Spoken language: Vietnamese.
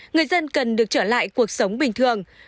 người dân cần được trở lại cuộc sống bình thường